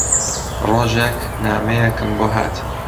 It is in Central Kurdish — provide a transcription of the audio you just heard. ڕۆژێک نامەیەکم بۆ هات